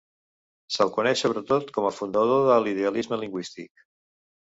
Se'l coneix sobretot com a fundador de l'Idealisme lingüístic.